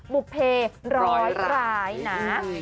บุปเพลย์ร้อยรายนะ